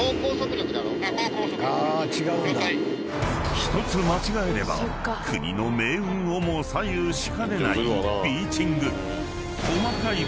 ［１つ間違えれば国の命運をも左右しかねないビーチング］